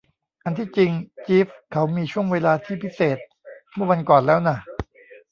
อันที่จริง จีฟเขามีช่วงเวลาที่พิเศษเมื่อวันก่อนแล้วน่ะ